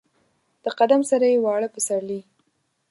د قدم سره یې واړه پسرلي